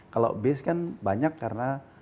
kalau base kan banyak karena